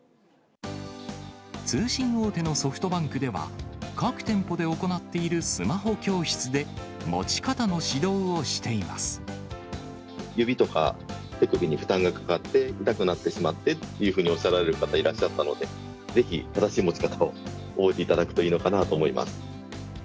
通信大手のソフトバンクでは、各店舗で行っているスマホ教室で、指とか手首に負担がかかって、痛くなってしまってっていうふうにおっしゃられる方、いらっしゃったので、ぜひ正しい持ち方を覚えていただくといいのかなと思います。